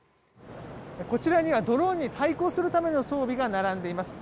こちらにはドローンに対抗するための装備が並んでいます。